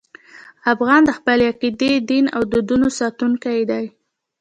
افغان د خپلې عقیدې، دین او دودونو ساتونکی دی.